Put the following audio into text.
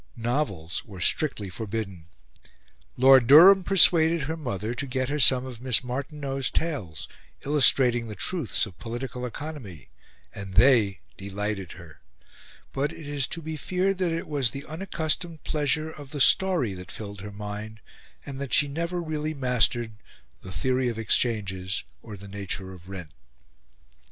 Novels were strictly forbidden. Lord Durham persuaded her mother to get her some of Miss Martineau's tales, illustrating the truths of Political Economy, and they delighted her; but it is to be feared that it was the unaccustomed pleasure of the story that filled her mind, and that she never really mastered the theory of exchanges or the nature of rent.